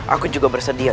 aku juga bersedia